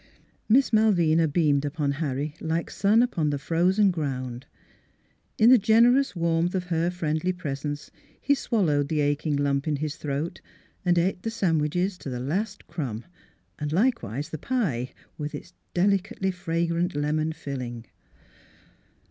Miss Malvina beamed upon Harry like sun upon the frozen ground. In the generous warmth 324 NEIGHBORS of her friendly presence he swallowed the aching lump in his throat and ate the sandwiches to the last crumb, and likewise the pie, with its deli cately fragrant lemon filling.